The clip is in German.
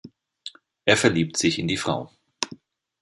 Er verliebt sich in die Frau.